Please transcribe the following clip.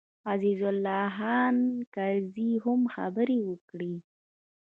عزیز الله خان کرزي هم خبرې وکړې.